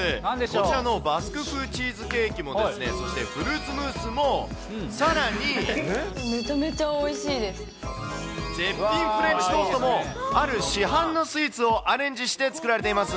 こちらのバスク風チーズケーキも、これめちゃめちゃおいしいで絶品フレンチトーストも、ある市販のスイーツをアレンジして作られています。